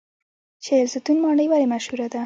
چهلستون ماڼۍ ولې مشهوره ده؟